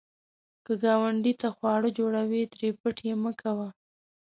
که ګاونډي ته خواړه جوړوې، ترې پټ یې مه کوه